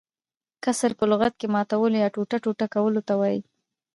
کسر په لغت کښي ماتولو يا ټوټه - ټوټه کولو ته وايي.